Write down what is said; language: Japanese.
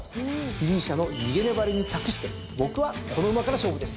ユリーシャの逃げ粘りに託して僕はこの馬から勝負です。